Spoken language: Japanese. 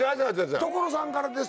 「所さんからです」